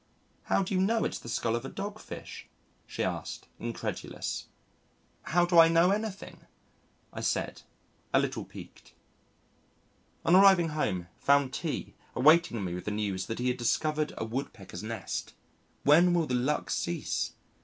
"How do you know it's the skull of a dog fish?" she asked, incredulous. "How do I know anything?" I said, a little piqued. On arriving home found T awaiting me with the news that he had discovered a Woodpecker's nest. When will the luck cease?